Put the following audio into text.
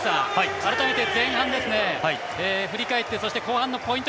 改めて前半、振り返ってそして後半のポイント